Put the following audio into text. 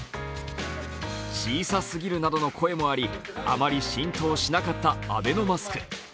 小さすぎるなどの声もありあまり浸透しなかったアベノマスク。